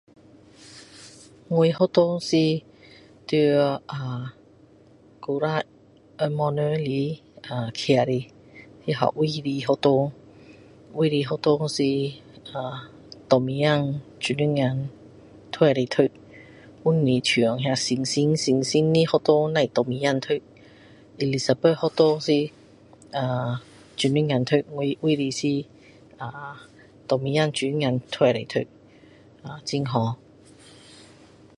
我学校是在呃呃以前红毛人来呃建的它叫卫里学校卫里学校是呃男孩子女孩子都可以读不是像那圣心圣心学校只是男孩子读伊丽莎白学校是呃女孩子读我卫里是啊男孩子女孩子都可以读呃很好